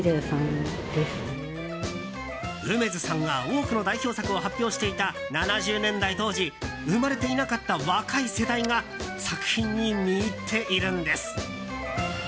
楳図さんが多くの代表作を発表していた７０年代当時生まれていなかった若い世代が作品に見入っているんです。